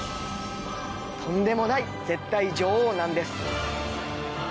とんでもない絶対女王なんです。